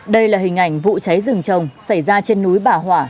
đây là hình ảnh vụ cháy rừng trồng xảy ra trên núi bà hỏa